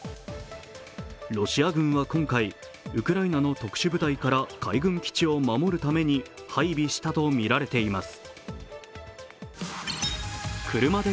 ロシア軍は今回、ウクライナの特殊部隊から海軍基地を守るために配備したとみられています。